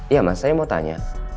iya mas saya mau tanya